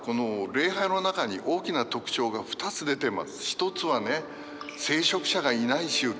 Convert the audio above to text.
一つはね聖職者がいない宗教。